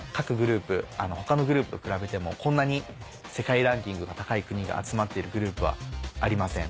他のグループと比べてもこんなに世界ランキングが高い国が集まっているグループはありません。